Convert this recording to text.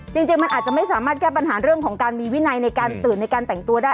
จริงมันอาจจะไม่สามารถแก้ปัญหาเรื่องของการมีวินัยในการตื่นในการแต่งตัวได้